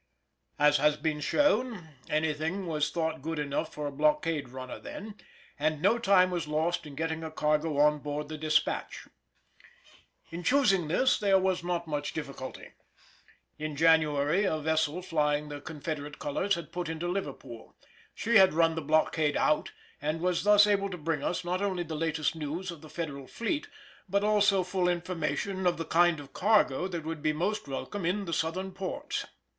As has been shown, anything was thought good enough for a blockade runner then, and no time was lost in getting a cargo on board the Despatch. In choosing this there was not much difficulty. In January a vessel flying the Confederate colours had put into Liverpool; she had run the blockade out and was thus able to bring us, not only the latest news of the Federal fleet, but also full information of the kind of cargo that would be most welcome in the Southern ports.